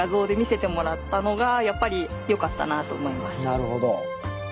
なるほど。